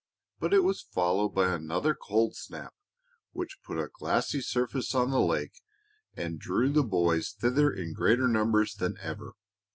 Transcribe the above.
But it was followed by another cold snap, which put a glassy surface on the lake and drew the boys thither in greater numbers than ever.